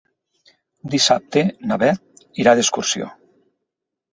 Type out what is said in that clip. Dissabte na Beth irà d'excursió.